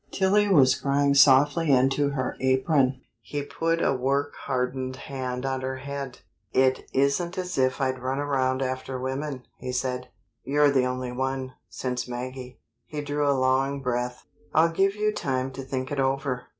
Tillie was crying softly into her apron. He put a work hardened hand on her head. "It isn't as if I'd run around after women," he said. "You're the only one, since Maggie " He drew a long breath. "I'll give you time to think it over.